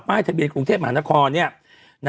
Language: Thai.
ป้ายทะเบียนคุณเทพหาหน้าคอน